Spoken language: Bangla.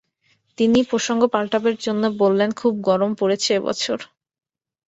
তিনি প্রসঙ্গ পাল্টাবার জন্যে বললেন, খুব গরম পড়েছে এ-বছর।